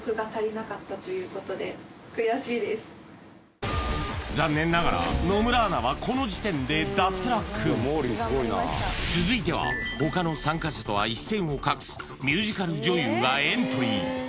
はい残念ながら野村アナはこの時点で脱落続いては他の参加者とは一線を画すミュージカル女優がエントリー